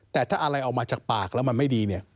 แต่ถ้าอะไรออกมาจากปากแล้วมันไม่ดีเนี่ย